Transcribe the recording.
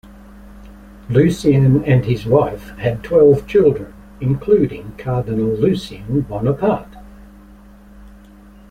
Lucien and his wife had twelve children, including Cardinal Lucien Bonaparte.